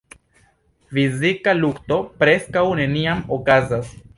Fizika lukto preskaŭ neniam okazas.